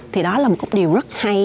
thì đó là một điều rất hay